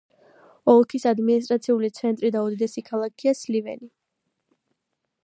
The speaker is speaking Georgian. ოლქის ადმინისტრაციული ცენტრი და უდიდესი ქალაქია სლივენი.